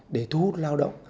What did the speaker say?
để thu hút lao động